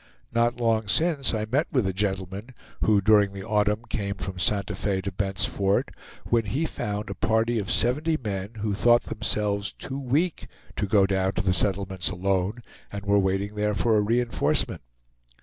Not long since I met with the gentleman, who, during the autumn, came from Santa Fe to Bent's Fort, when he found a party of seventy men, who thought themselves too weak to go down to the settlements alone, and were waiting there for a re enforcement.